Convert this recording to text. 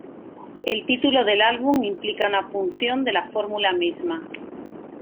El título del álbum implica una punción de la fórmula misma.